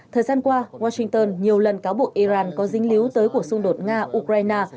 thời gian qua washington nhiều lần cáo buộc iran có dính líu tới cuộc xung đột nga ukraine